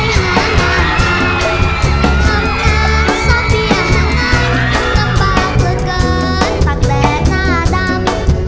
ทำงานทราบเพียวหลังร่มรับเกินเกินตากแตกหน้าดำ